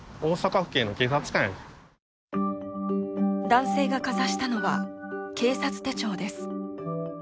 男性がかざしたのは警察手帳です。